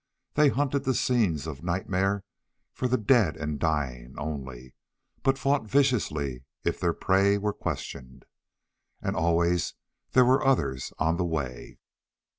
They hunted the scenes of nightmare for the dead and dying only, but fought viciously if their prey were questioned. And always there were others on the way.